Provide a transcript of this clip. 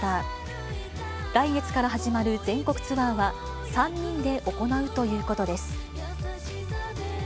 来月から始まる全国ツアーは、３人で行うということです。